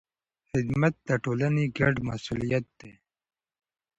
خدمت د ټولنې ګډ مسؤلیت دی.